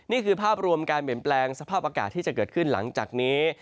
นี่คือภาพรวมการเปลี่ยนแปลงสภาพอากาศที่จะเกิดขึ้นหลังจากนี้